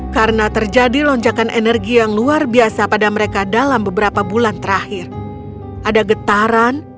karena terjadi lonjakan energi yang luar biasa pada matahari